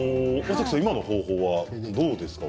今の方法はどうですか？